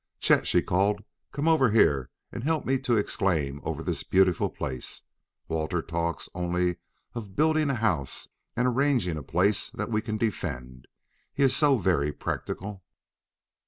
"Chet," she called, "come over here and help me to exclaim over this beautiful place. Walter talks only of building a house and arranging a place that we can defend. He is so very practical."